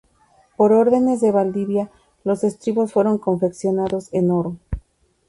Por órdenes de Valdivia los estribos fueron confeccionados en oro.